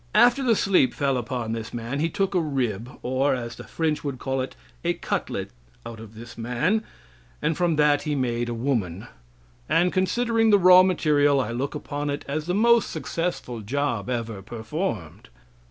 After the sleep fell upon this man, he took a rib, or, as the French would call it, a cutlet out of this man, and from that he made a woman; and considering the raw material, I look upon it as the most successful job ever performed.